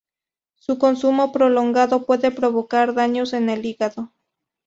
Su consumo prolongado puede provocar daños en el hígado.